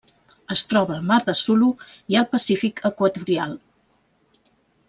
Es troba al Mar de Sulu i al Pacífic equatorial.